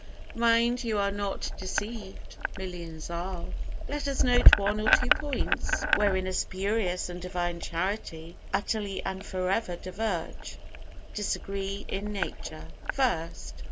Mind you are not deceived; millions are! Let us note one or two points wherein a spurious and Divine Charity utterly and forever diverge disagree in nature. _First.